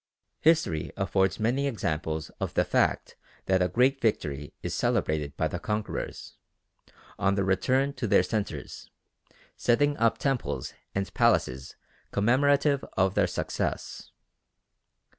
History affords many examples of the fact that a great victory is celebrated by the conquerors, on their return to their centres, setting up temples and palaces commemorative of their success.